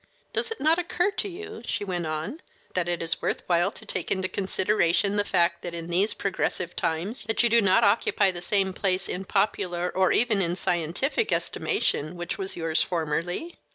Does it not occur to you," she went on, "that it is worth while to take into consideration the fact that in these progressive times you do not occupy the same place in popular or even in scientific estimation which was yours formerly?